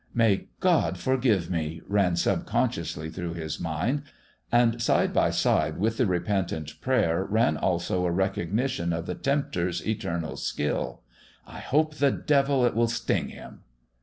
"May God forgive me!" ran subconsciously through his mind. And side by side with the repentant prayer ran also a recognition of the tempter's eternal skill: "I hope the devil it will sting him!"